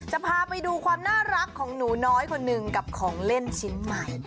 จะพาไปดูความน่ารักของหนูน้อยคนหนึ่งกับของเล่นชิ้นใหม่